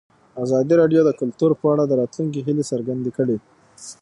ازادي راډیو د کلتور په اړه د راتلونکي هیلې څرګندې کړې.